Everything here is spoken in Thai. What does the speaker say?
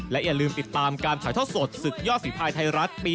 และอย่าลืมติดตามการถ่ายทอดสดศึกยอดฝีภายไทยรัฐปี๒